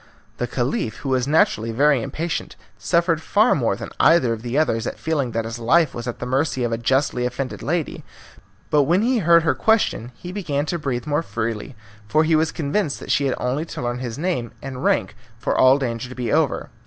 The Caliph, who was naturally very impatient, suffered far more than either of the others at feeling that his life was at the mercy of a justly offended lady, but when he heard her question he began to breathe more freely, for he was convinced that she had only to learn his name and rank for all danger to be over.